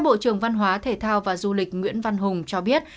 bộ trưởng văn hóa thể thao và du lịch nguyễn văn hùng cho biết